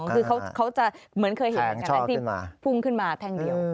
อ๋อคือเขาจะเหมือนเคยเห็นที่พุ่งขึ้นมาแพงเดียว